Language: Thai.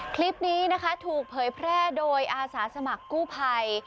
คลิปนี้นะคะถูกเผยแพร่โดยอาสาสมัครกู้ภัย